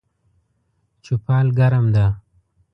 چوپال ګرم ده